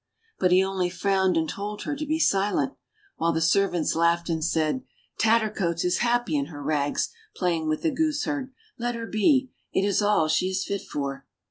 But he only frowned and told her to be silent ; while the servants laughed and said, "Tattercoats is happy in her rags, playing with the gooseherd ! Let her be — it is all she is fit for."